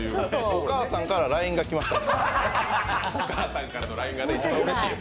お母さんからＬＩＮＥがきました。